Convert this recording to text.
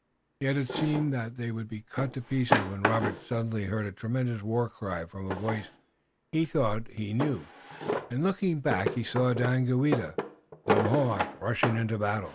Yet it seemed that they would be cut to pieces when Robert suddenly heard a tremendous war cry from a voice he thought he knew, and looking back, he saw Daganoweda, the Mohawk, rushing into the battle.